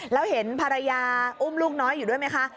แล้วเห็นภรรยาอุ้มลูกน้อยอยู่ด้วยไหมคะ